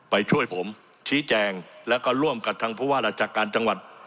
ไปช่วยผมชี้แจงแล้วก็ร่วมกับทางผู้ว่าราชการจังหวัด